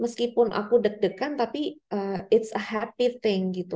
meskipun aku deg degan tapi it s a happy thing gitu